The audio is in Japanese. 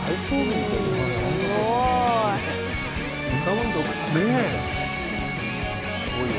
すごいわ。